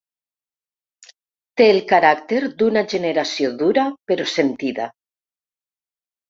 Té el caràcter d’una generació dura però sentida.